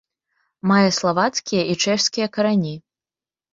Мае славацкія і чэшскія карані.